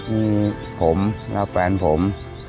มีผมและแฟนผม